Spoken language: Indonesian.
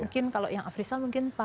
mungkin kalau yang afrisa mungkin pak